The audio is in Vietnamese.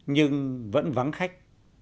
nhưng vẫn vắng khách